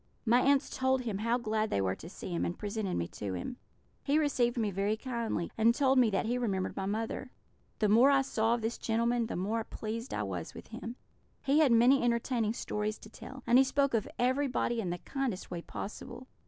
"My aunts told him how glad they were to see him, and presented me to him. He received me very kindly, and told me that he remembered my mother. The more I saw of this gentleman, the more pleased I was with him. He had many entertaining stories to tell; and he spoke of everybody in the kindest way possible.